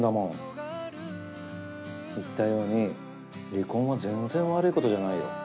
言ったように離婚は全然悪いことじゃないよ。